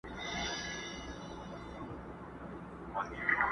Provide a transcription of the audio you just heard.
شیطان په زور نیولی.!